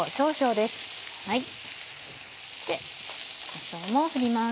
でこしょうも振ります。